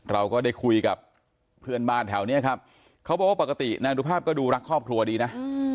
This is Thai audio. เราก็ได้คุยกับเพื่อนบ้านแถวนี้ครับเขาบอกว่าปกตินางดูภาพก็ดูรักครอบครัวดีนะ